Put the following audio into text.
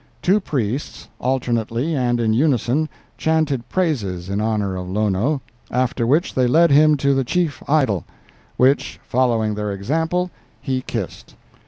Two priests, alternately and in unison, chanted praises in honor of Lono, after which they led him to the chief idol, which, following their example, he kissed."